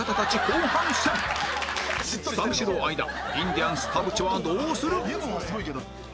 三四郎相田インディアンス田渕はどうする？